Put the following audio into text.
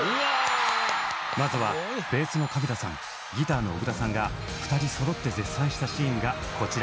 まずはベースの亀田さんギターの小倉さんが２人そろって絶賛したシーンがこちら。